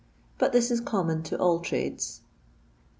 But this is common to all trades.